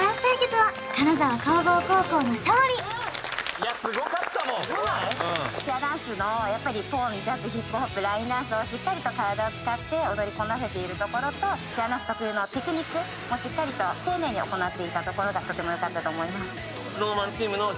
いやすごかったもんチアダンスのやっぱりＰＯＭＪＡＺＺＨＩＰＨＯＰＬＩＮＥＤＡＮＣＥをしっかりと体を使って踊りこなせているところとチアダンス特有のテクニックもしっかりと丁寧に行っていたところがとてもよかったと思います